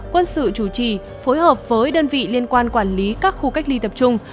quân sự chủ trì phối hợp với đơn vị liên quan quản lý các khu cách ly tập trung